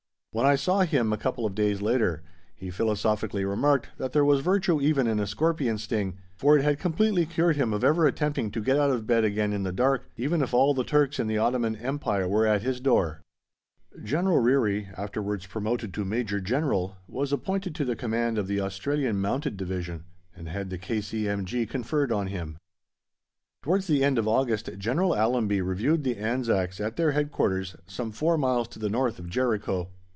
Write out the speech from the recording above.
When I saw him a couple of days later he philosophically remarked that there was virtue even in a scorpion sting, for it had completely cured him of ever attempting to get out of bed again in the dark, even if all the Turks in the Ottoman Empire were at his door. General Ryrie, afterwards promoted to Major General, was appointed to the command of the Australian Mounted Division, and had the K.C.M.G. conferred on him. Towards the end of August General Allenby reviewed the Anzacs at their Headquarters, some four miles to the north of Jericho.